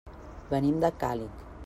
Venim de Càlig.